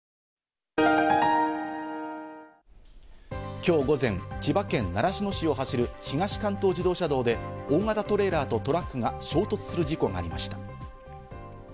きょう午前、千葉県習志野市を走る東関東自動車道で大型トレーラーとトラックが衝突する事故がありました。